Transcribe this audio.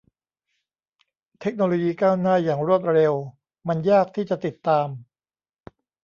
เทคโนโลยีก้าวหน้าอย่างรวดเร็วมันยากที่จะติดตาม